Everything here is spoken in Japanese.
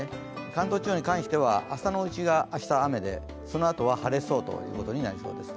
関東地方に関しては朝のうちは雨でそのあとは晴れそうということになりそうです。